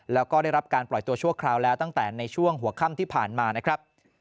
แล้วก็ได้รับการปล่อยตัวชั่วคราวแล้วตั้งแต่ในช่วงหัวค่ำที่ผ่านมานะครับ